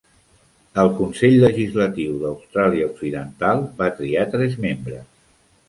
El Consell Legislatiu d'Austràlia Occidental va triar tres membres.